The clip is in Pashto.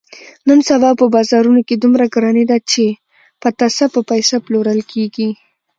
نن سبا په بازارونو کې دومره ګراني ده، چې پتاسه په پیسه پلورل کېږي.